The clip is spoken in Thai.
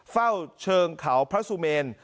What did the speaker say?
เฝ้าเชิงเขาพระสุเมน